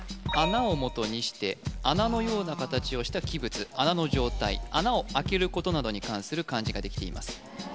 穴をもとにして穴のような形をした器物穴の状態穴を開けることなどに関する漢字ができています